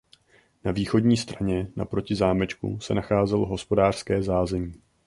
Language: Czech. Na východní straně naproti zámečku se nacházelo hospodářské zázemí.